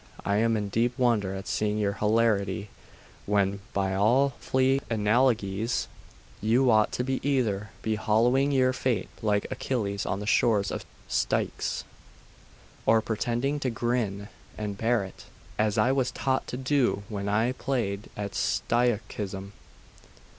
I am in deep wonder at seeing your hilarity, when, by all flea analogies, you ought to be either be howling your fate like Achilles on the shores of Styx, or pretending to grin and bear it, as I was taught to do when I played at Stoicism.